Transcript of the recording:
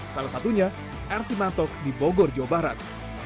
salah satunya rc mantok di bogor jawa barat